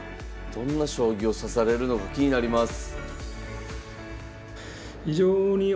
どんな将棋を指されるのか気になります。